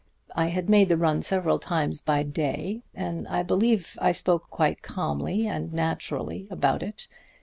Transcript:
I had made the run several times by day, and I believe I spoke quite calmly and naturally about it.